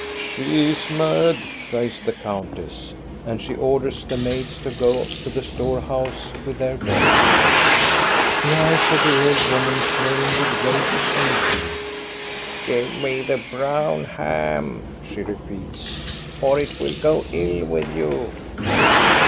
" She is mad," cries the countess. And she orders the maids to go to the store house with their burden. The eyes of the old woman flame with rage and greed. '* Give me the brown ham," shfe repeats, " or it will go ill with you."